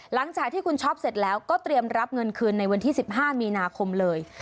หลังจากที่คุณช็อปเสร็จแล้วก็เตรียมรับเงินคืนในวันที่๑๕มีนาคมเลย